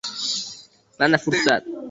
Mana fursat